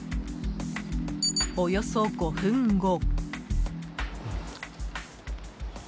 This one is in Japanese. およそ５分後。